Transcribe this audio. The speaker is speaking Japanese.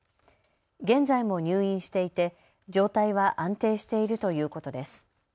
現在も入院していて状態は安定しているということです。